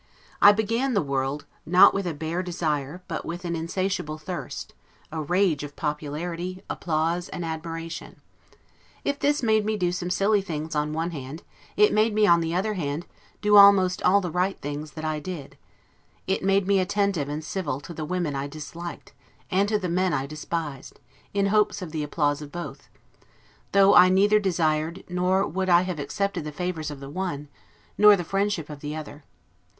I began the world, not with a bare desire, but with an insatiable thirst, a rage of popularity, applause, and admiration. If this made me do some silly things on one hand, it made me, on the other hand, do almost all the right things that I did; it made me attentive and civil to the women I disliked, and to the men I despised, in hopes of the applause of both: though I neither desired, nor would I have accepted the favors of the one, nor the friendship of the other.